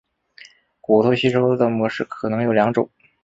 骨头吸收的模式可能有两种。